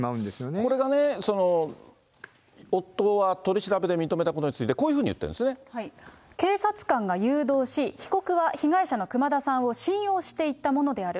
これがね、夫は取り調べで認めたことについて、こういうふう警察官が誘導し、被告は被害者の熊田さんを信用して言ったものである。